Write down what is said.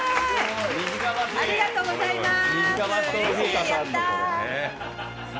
ありがとうございます。